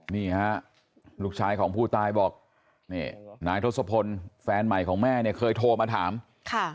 นี่ครับลูกชายของผู้ตายบอกนายโทษภลแฟนใหม่ของแม่ที่เขื่อโทมา